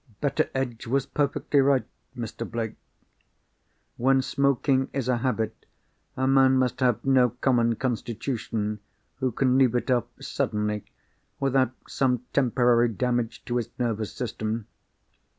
"Betteredge was perfectly right, Mr. Blake. When smoking is a habit a man must have no common constitution who can leave it off suddenly without some temporary damage to his nervous system.